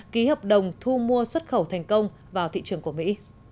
ký hợp đồng thu mua xuất khẩu thành công vào thị trường của mỹ